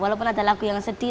walaupun ada lagu yang sedih